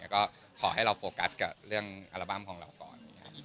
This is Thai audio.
ก็ขอให้เราโฟกัสกับเรื่องอัลบั้มของเราก่อน